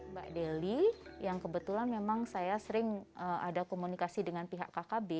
mbak deli yang kebetulan memang saya sering ada komunikasi dengan pihak kkb